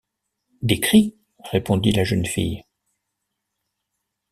Des cris? répondit la jeune fille.